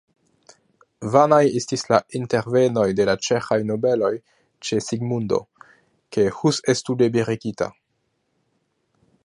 Vanaj estis la intervenoj de la ĉeĥaj nobeloj ĉe Sigmundo, ke Hus estu liberigita.